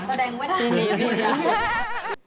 แสดงว่าปีนี้ปีนี้